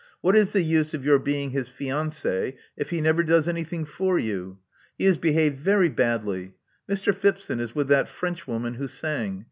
What is the use of your being his fiancee if he never does anything for you? He has behaved very badly. Mr. Phipson is with that Frenchwoman who sang.